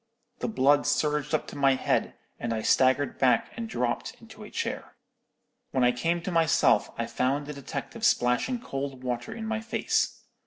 The blood surged up to my head, and I staggered back and dropped into a chair. "When I came to myself, I found the detective splashing cold water in my face.